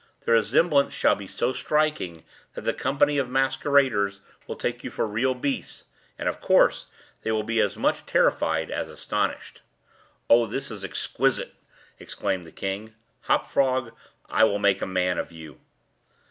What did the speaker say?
The resemblance shall be so striking, that the company of masqueraders will take you for real beasts—and of course, they will be as much terrified as astonished." "Oh, this is exquisite!" exclaimed the king. "Hop Frog! I will make a man of you."